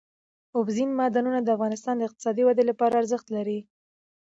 اوبزین معدنونه د افغانستان د اقتصادي ودې لپاره ارزښت لري.